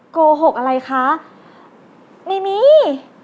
โกหกอะไรคะไม่มี